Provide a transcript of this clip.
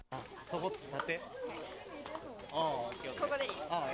「ここでいい？」